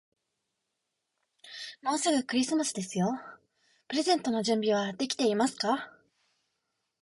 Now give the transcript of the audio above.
もうすぐクリスマスですよ。プレゼントの準備はできていますか。